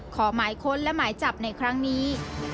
ขอหมายค้นและหมายจับในครั้งนี้